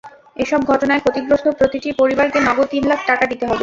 এসব ঘটনায় ক্ষতিগ্রস্ত প্রতিটি পরিবারকে নগদ তিন লাখ টাকা দিতে হবে।